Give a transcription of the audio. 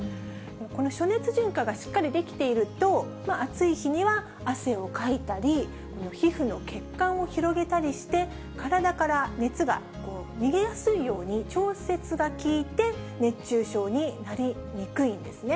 この暑熱順化がしっかりできていると、暑い日には汗をかいたり、皮膚の血管を広げたりして、体から熱が逃げやすいように調節が効いて、熱中症になりにくいんですね。